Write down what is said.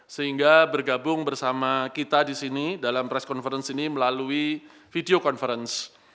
sehingga bergabung bersama kita di sini dalam press conference ini melalui video conference